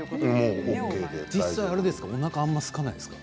実際あれですか？